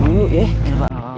pergi rumah pak